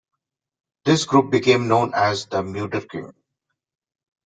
This group became known as the Muiderkring.